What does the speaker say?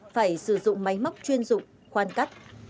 phải sử dụng máy móc chuyên dụng khoan cắt